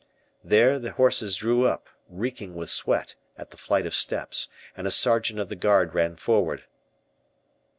There the horses drew up, reeking with sweat, at the flight of steps, and a sergeant of the guard ran forward.